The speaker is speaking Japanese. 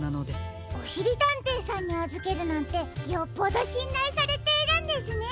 おしりたんていさんにあずけるなんてよっぽどしんらいされているんですね。